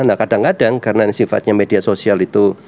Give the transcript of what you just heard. nah kadang kadang karena sifatnya media sosial itu